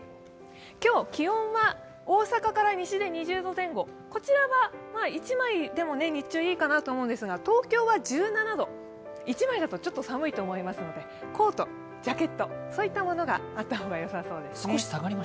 今日、気温は大阪から西で２０度前後、こちらは１枚でも日中いいかなとも思うんですが東京は１７度、１枚だとちょっと寒いと思いますのでコート、ジャケットといったものがあった方がよさそうですね。